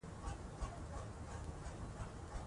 مور د کورنۍ د پاکوالي لپاره د کورني توکو څخه کار اخلي.